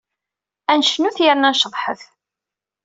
Ad necnut yerna ad nceḍḥet.